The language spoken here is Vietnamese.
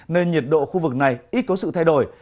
nên nhiệt độ khu vực này ít có sự thay đổi